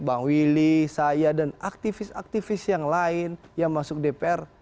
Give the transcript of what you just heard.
bang willy saya dan aktivis aktivis yang lain yang masuk dpr